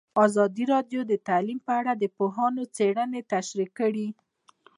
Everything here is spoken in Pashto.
ازادي راډیو د تعلیم په اړه د پوهانو څېړنې تشریح کړې.